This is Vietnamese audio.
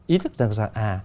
ý thức rằng rằng à